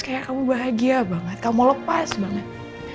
kayak kamu bahagia banget kamu lepas banget